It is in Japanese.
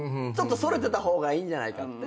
それてた方がいいんじゃないかと。